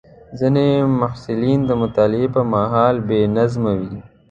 ځینې محصلین د مطالعې پر مهال بې نظم وي.